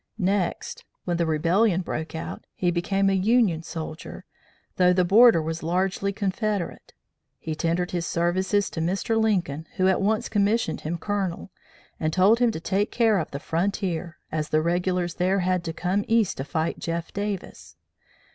Next, when the rebellion broke out, he became a Union soldier, though the border was largely Confederate. He tendered his services to Mr. Lincoln, who at once commissioned him Colonel, and told him to take care of the frontier, as the regulars there had to come East to fight Jeff Davis.